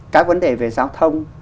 các vấn đề về giao thông